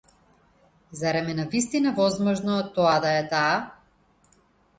Зарем е навистина возможно тоа да е таа?